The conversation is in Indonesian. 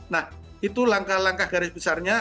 nah itu langkah langkah garis besarnya